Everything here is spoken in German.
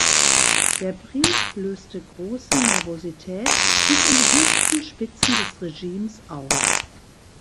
Der Brief löste große Nervosität bis in die höchsten Spitzen des Regimes aus.